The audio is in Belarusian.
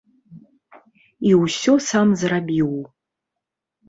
І ўсё сам зрабіў.